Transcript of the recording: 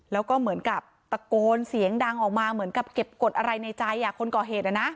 แล้วก็เหมือนกับตะโกนเสียงดังออกมาเหมือนกับเก็บกฎอะไรในใจคนก่อเหตุ